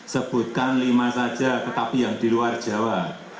sebutkan lima saja tetapi yang di luar jawa